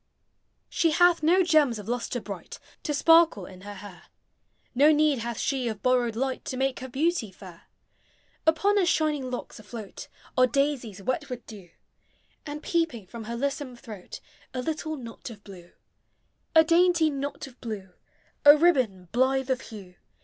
She hath no gems of lustre bright To sparkle in her hair; No need hath she of borrowed light To make her beauty fair. Upon her shiuing locks alloat Are daisies wet with dew, And peeping from her lissome throat A little knot of blue. Digitized by Google 234 POEMS OF HOME. A dainty knot of blue, A ribbon blithe of hue.